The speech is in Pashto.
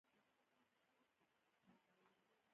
د فلاني کال د جنورۍ پر اته ویشتمه.